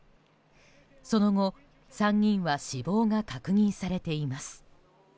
その後、３人は死亡が確認されています。